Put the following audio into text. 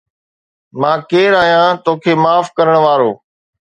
مان ڪير آهيان توکي معاف ڪرڻ وارو؟